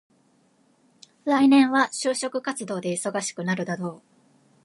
来年は就職活動で忙しくなるだろう。